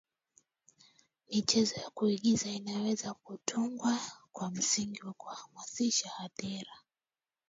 michezo ya kuigiza inaweza kutungwa kwa msingi wa kuhamasisha hadhira